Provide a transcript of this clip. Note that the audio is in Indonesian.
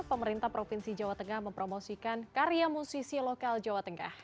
pemerintah provinsi jawa tengah mempromosikan karya musisi lokal jawa tengah